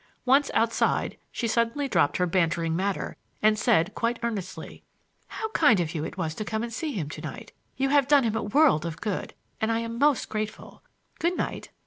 Once outside, she suddenly dropped her bantering manner and said quite earnestly: "How kind it was of you to come and see him tonight. You have done him a world of good, and I am most grateful. Good night!"